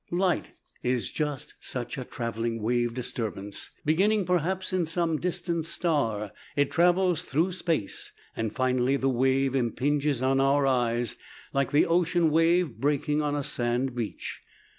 Light is just such a travelling wave disturbance. Beginning, perhaps, in some distant star, it travels through space, and finally the wave impinges on our eyes like the ocean wave breaking on a sand beach.